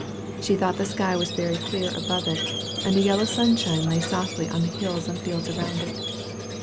She thought the sky was very clear above it, and the yellow sunshine lay softly on the hills and fields around it.